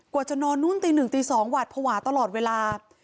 กว่าจะนอนนู่นตีหนึ่งตีสองหวาดพวาตลอดเวลา